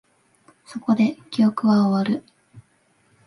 そこで、記憶は終わる